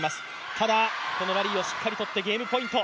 ただ、このラリーをしっかりとってゲームポイント。